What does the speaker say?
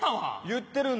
言ってるんだよ。